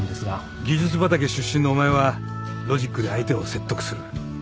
技術畑出身のお前はロジックで相手を説得する。